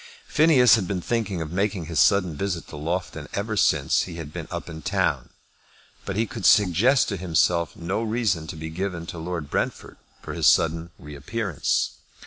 Phineas had been thinking of making this sudden visit to Loughton ever since he had been up in town, but he could suggest to himself no reason to be given to Lord Brentford for his sudden reappearance.